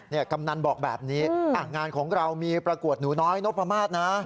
กำนันบอกแบบนี้งานของเรามีประกวดหนูน้อยนพมาศนะ